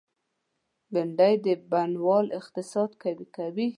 بېنډۍ د بڼوال اقتصاد قوي کوي